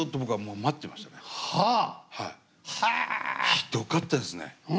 ひどかったですね。